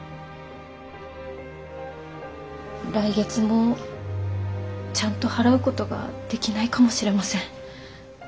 来月もちゃんと払うことができないかもしれません。